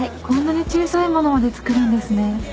こんなに小さいものまで作るんですね。